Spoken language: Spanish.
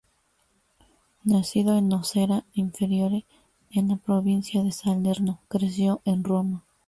Nacido en Nocera Inferiore, en la provincia de Salerno, creció en Roma.